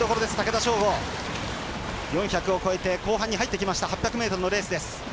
４００を超えて後半に入ってきた８００ｍのレース。